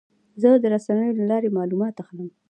زه د رسنیو له لارې معلومات اخلم.